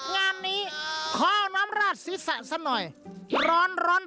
งามนี้ขอน้ำราดศีรษะสักหน่อย